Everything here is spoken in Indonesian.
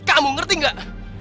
kamu ngerti gak